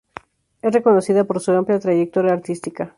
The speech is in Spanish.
Es reconocida por su amplia trayectoria artística.